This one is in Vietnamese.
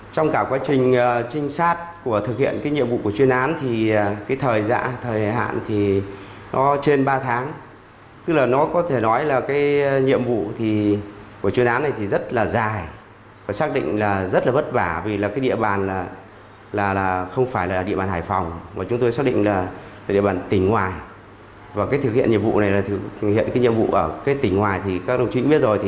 trong quá trình điều tra xét xử sau này